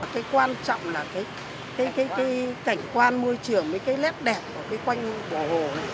cái quan trọng là cái cảnh quan môi trường mấy cái lép đẹp của cái quanh bờ hồ này